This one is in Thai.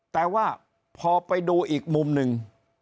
แต่ว่าพอไปดูอีกมุมหนึ่ง